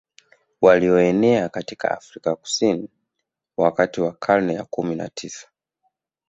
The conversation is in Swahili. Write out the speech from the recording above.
Walioenea kutoka Afrika Kusini wakati wa karne ya kumi na tisa